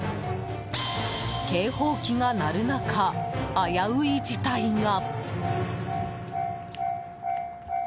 警報機が鳴る中、危うい事態が！